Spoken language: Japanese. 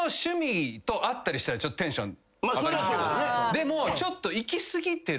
でもちょっと。